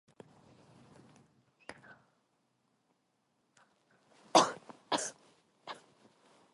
저 세상의 푸른 공기를 맘껏 들이마시고 싶다.